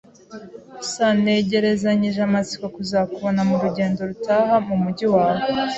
[S] Ntegerezanyije amatsiko kuzakubona mu rugendo rutaha mu mujyi wawe.